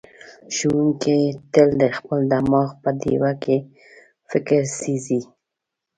ښوونکی تل د خپل دماغ په ډیوه کې فکر سېځي.